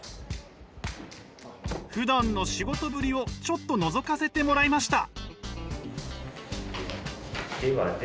ふだんの仕事ぶりをちょっとのぞかせてもらいました！